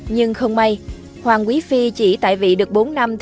nhưng không may hoàng quý phi chỉ tại vị được bốn năm